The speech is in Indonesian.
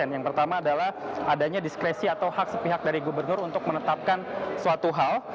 yang pertama adalah adanya diskresi atau hak sepihak dari gubernur untuk menetapkan suatu hal